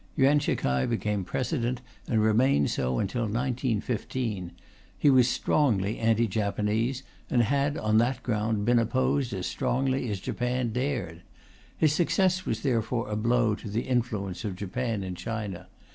Yuan Shi k'ai became President, and remained so until 1915. He was strongly anti Japanese, and had, on that ground, been opposed as strongly as Japan dared. His success was therefore a blow to the influence of Japan in China.